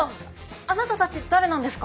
あなたたち誰なんですか！？